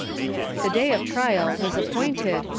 The day of trial was appointed.